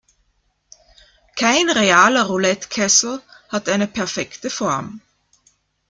Kein realer Roulette-Kessel hat eine perfekte Form.